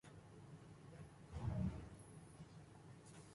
اس نے میری چھاتی کو ہاتھ لگایا اور اسی حالت میں تصویر لی